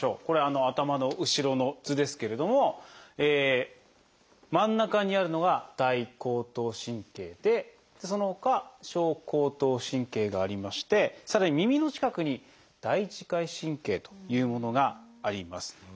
これ頭の後ろの図ですけれども真ん中にあるのが「大後頭神経」でそのほか「小後頭神経」がありましてさらに耳の近くに「大耳介神経」というものがあります。